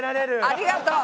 ありがとう。